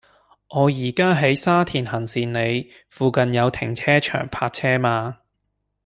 我依家喺沙田行善里，附近有停車場泊車嗎